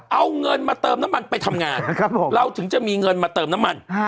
เอาเงินมาเติมน้ำมันไปทำงานเราถึงจะมีเงินมาเติมน้ำมัน